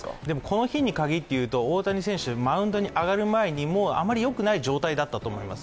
この日にかぎっていうと大谷選手、マウンドに上がる前にもうあまりよくない状態だったと思います。